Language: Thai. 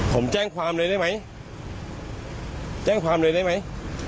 ผมแจ้งความเลยได้ไหมแจ้งความเลยได้ไหม